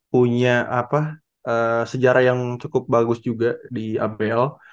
punya sejarah yang cukup bagus juga di abel